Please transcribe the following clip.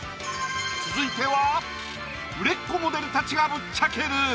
続いては売れっ子モデルたちがぶっちゃける！